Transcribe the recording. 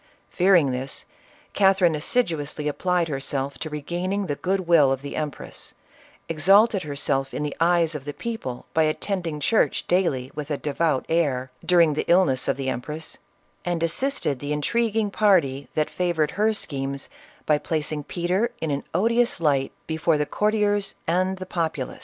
Fearing this, Catherine assiduously applied herself to regaining the good will of the empress, exalted herself in the eyes of the people by attending church daily with a devout air, during the illness of the empress, and as sisted the intriguing party that favored her schemes by placing Peter in an odious light before the courtiers and the populace.